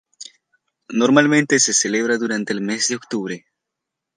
Normalmente se celebra durante el mes de octubre.